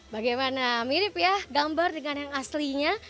bagaimana mirip ya gambar dengan yang aslinya